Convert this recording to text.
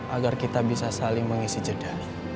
agar kita bisa saling mengisi jeda